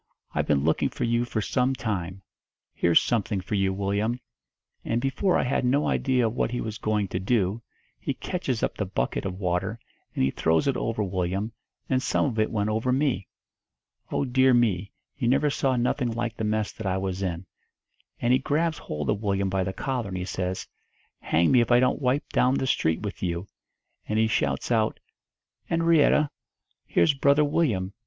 I've been looking for you for some time. Here's something for you, Willyum.' And before I had no idea of what he was going to do, he catches up the bucket of water and he throws it over Willyum, and some of it went over me. Oh, dear me, you never saw nothing like the mess that I was in! And he grabs hold of Willyum by the collar, and he says, 'Hang me if I don't wipe down the street with you!' And he shouts out, ''Enrietta, here's Brother Willyum.